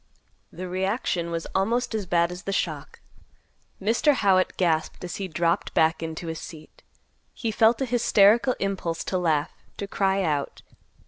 The reaction was almost as bad as the shock. Mr. Howitt gasped as he dropped back into his seat. He felt a hysterical impulse to laugh, to cry out.